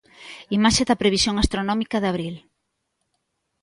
Imaxe da previsión astronómica de abril.